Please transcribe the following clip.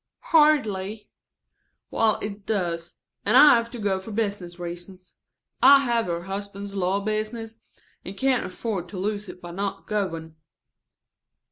"Hardly." "Well, it does. And I have to go for business reasons. I have her husband's law business, and can't afford to lose it by not going."